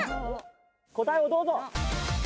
答えをどうぞ。